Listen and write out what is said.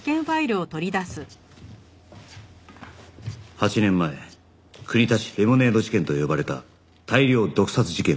８年前国立レモネード事件と呼ばれた大量毒殺事件は